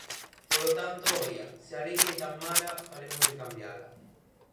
Polo tanto, oia, se a lei é tan mala, falemos de cambiala.